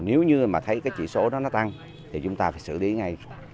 nếu như thấy chỉ số nó tăng thì chúng ta phải xử lý ngay